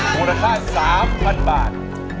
มูลค่า๓๐๐๐บาท